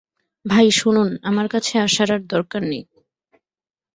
ভাই শুনুন, আমার কাছে আসার আর দরকার নেই।